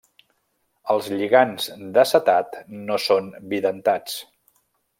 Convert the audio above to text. Els lligants d'acetat no són bidentats.